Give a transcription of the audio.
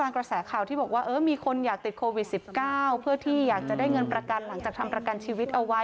กระแสข่าวที่บอกว่ามีคนอยากติดโควิด๑๙เพื่อที่อยากจะได้เงินประกันหลังจากทำประกันชีวิตเอาไว้